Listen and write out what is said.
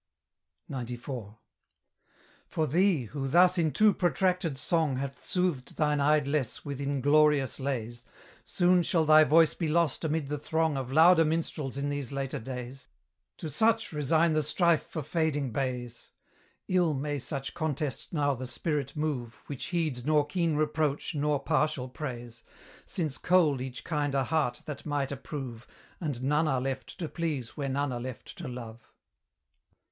XCIV. For thee, who thus in too protracted song Hath soothed thine idlesse with inglorious lays, Soon shall thy voice be lost amid the throng Of louder minstrels in these later days: To such resign the strife for fading bays Ill may such contest now the spirit move Which heeds nor keen reproach nor partial praise, Since cold each kinder heart that might approve, And none are left to please where none are left to love.